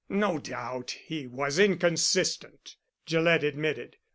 "No doubt he was inconsistent," Gillett admitted.